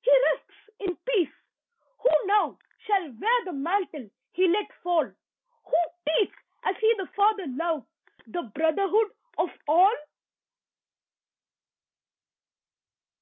He rests in peace. Who now shall wear The mantle he let fall? Who teach as he the Father love, The brotherhood of all?